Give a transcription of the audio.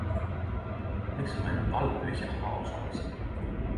Liksom ein ball du ikkje har sjansar